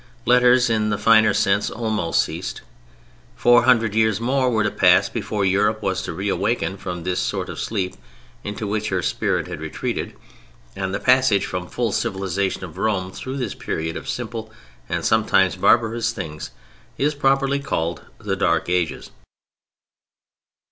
Letters, in the finer sense, almost ceased. Four hundred years more were to pass before Europe was to reawaken from this sort of sleep into which her spirit had retreated, and the passage from the full civilization of Rome through this period of simple and sometimes barbarous things, is properly called the Dark Ages.